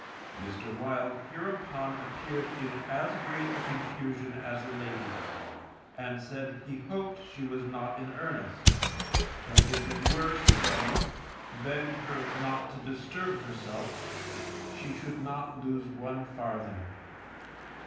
_ Mr. Wild hereupon appeared in as great a confusion as the lady, and said he hoped she was not in earnest, but if it were so, begged her not to disturb herself, she should not lose one farthing.